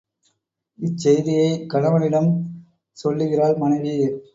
இச்செய்தியைக் கணவனிடம் சொல்லுகிறாள் மனைவி.